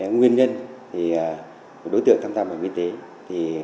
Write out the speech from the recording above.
nguyên nhân đối tượng tham gia bài viên tế